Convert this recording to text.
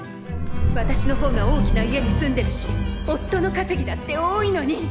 私の方が大きな家に住んでるし夫のかせぎだって多いのに。